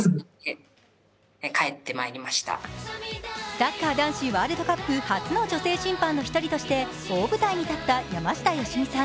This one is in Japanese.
サッカー男子ワールドカップ初の女性審判の一人として大舞台に立った山下良美さん。